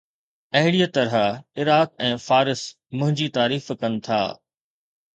اهڙيءَ طرح عراق ۽ فارس منهنجي تعريف ڪن ٿا